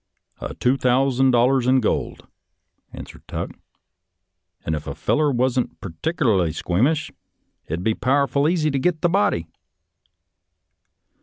"" A thousand dollars in gold," answered Tuck, "and if a feller wasn't partick erly squeamish, it'd be powerful easy to git the body."